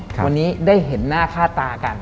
วันนี้ได้เห็นหน้าค่าตากัน